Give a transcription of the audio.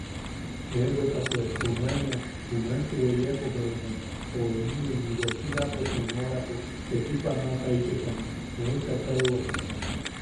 ¡Eh! bweta pues junuenia... junuento weeyepo be ne, o imiʼi universidad de sonorapo tekipanoataitekane neu chachaaʼewak.